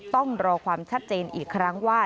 ต้องรอความชัดเจนอีกครั้งว่า